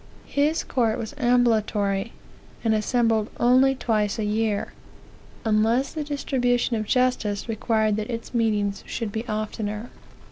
"His court was ambulatory, and assembled only twice a year, unless the distribution of justice required that its meetings should be oftener.